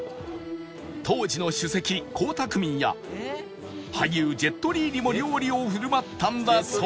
当時の主席江沢民や俳優ジェット・リーにも料理を振る舞ったんだそう